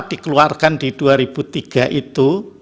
dikeluarkan di dua ribu tiga itu